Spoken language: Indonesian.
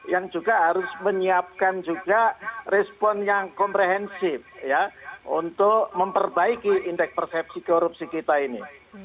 yang juga harus menyiapkan juga respon yang komprehensif untuk memperbaiki indeks persepsi korupsi kita ini